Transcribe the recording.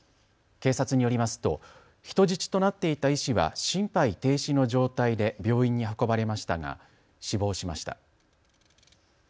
警察によりますと人質となっていた医師は心肺停止の状態で病院に運ばれましたが死亡しました。